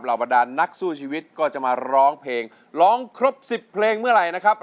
บรรดานนักสู้ชีวิตก็จะมาร้องเพลงร้องครบ๑๐เพลงเมื่อไหร่นะครับ